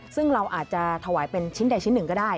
ซึ่งเราอาจจะถวายเป็นชิ้นใดชิ้นหนึ่งก็ได้